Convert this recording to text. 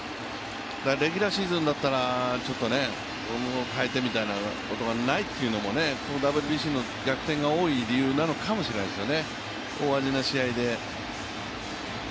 レギュラーシーズンだったら代えてみたいなことがないというのも、このＷＢＣの逆転が多い理由なのかもしれないですね、大味な試合で。